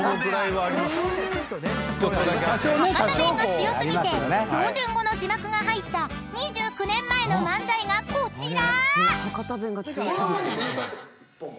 ［博多弁が強過ぎて標準語の字幕が入った２９年前の漫才がこちら］